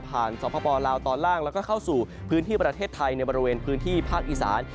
สปลาวตอนล่างแล้วก็เข้าสู่พื้นที่ประเทศไทยในบริเวณพื้นที่ภาคอีสาน